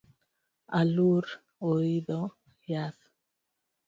Aluru oidho yath